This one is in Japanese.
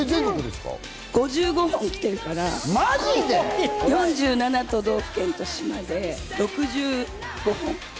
５５本きているから、４７都道府県まで６５本。